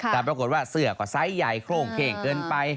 แต่ปรากฏว่าเสื้อก็ไซส์ใหญ่โครงเข้งเกินไป